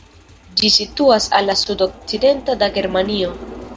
Ĝi situas al la sudokcidenta da Germanio.